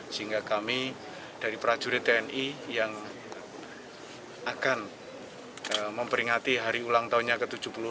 sehingga kami dari prajurit tni yang akan memperingati hari ulang tahunnya ke tujuh puluh empat